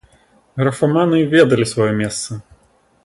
Графаманы ведалі сваё месца.